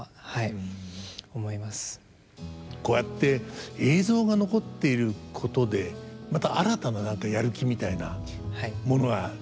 こうやって映像が残っていることでまた新たな何かやる気みたいなものが出てきますよね。